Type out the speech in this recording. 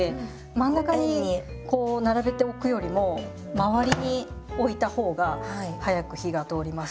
真ん中にこう並べておくよりも周りに置いた方が早く火が通ります。